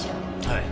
はい。